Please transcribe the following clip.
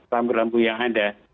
rambu rambu yang ada